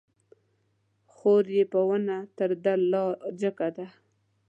خور يې په ونه تر ده لا هم جګه ده